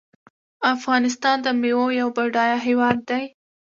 افغانستان د میوو یو بډایه هیواد دی.